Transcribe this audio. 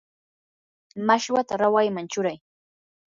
mashwata rawayman churay.